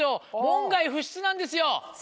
門外不出なんですよ」。